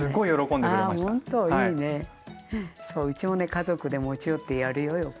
家族で持ち寄ってやるよよく。